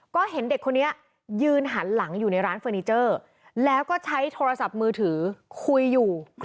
ก็เห็นเด็กคนนี้ยืนหันหลังอยู่ในร้านเฟอร์นิเจอร์แล้วก็ใช้โทรศัพท์มือถือคุยอยู่